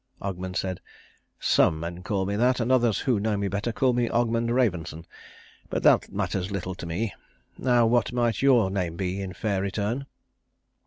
Ogmund said, "Some men call me that, and others who know me better call me Ogmund Ravensson. But that matters little to me. Now what might your name be, in fair return?"